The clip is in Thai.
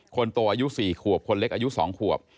คนโตอายุ๔ขวบคนเล็กอายุ๒ขวบ